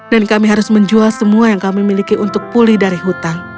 dan kami harus menjual semua yang kami miliki untuk pulih dari hutang